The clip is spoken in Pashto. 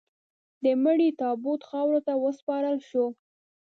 د مړي تابوت خاورو ته وسپارل شو.